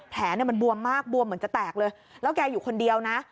แผลเนี่ยมันบวมมากบวมเหมือนจะแตกเลยแล้วแกอยู่คนเดียวนะ